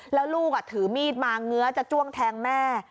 แล้วลูกถือมีดมาเงื้อจะจ้วงแทงแม่